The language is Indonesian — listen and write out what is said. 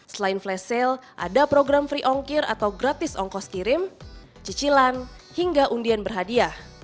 selain flash sale ada program free ongkir atau gratis ongkos kirim cicilan hingga undian berhadiah